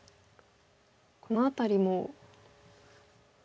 この辺りも。